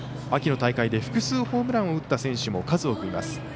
秋の大会で複数ホームランを打った選手も数多くいます。